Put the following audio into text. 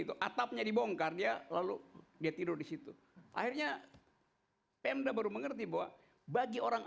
itu atapnya dibongkar dia lalu dia tidur disitu akhirnya pemda baru mengerti bahwa bagi orang